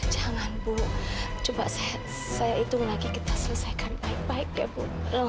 jangan bu coba saya hitung lagi kita selesaikan baik baik ya bu